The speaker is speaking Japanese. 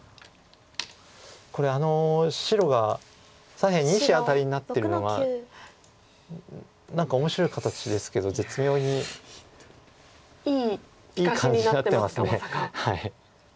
これ白が左辺２子アタリになってるのが何か面白い形ですけど絶妙にいい感じになってます。